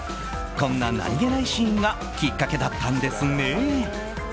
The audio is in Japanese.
こんな何気ないシーンがきっかけだったんですね。